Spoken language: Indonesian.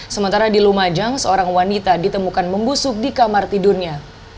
sementara di lumajang seorang wanita ditemukan membusuk di kamar tidurnya